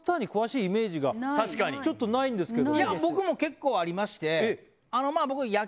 いや僕も結構ありまして。